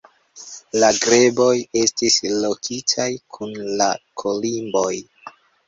La greboj estis lokitaj kun la kolimboj.